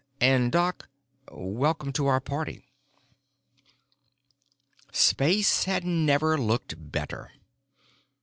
"And Doc—welcome to our party." Space had never looked better.